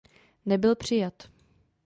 Nebyl přijat.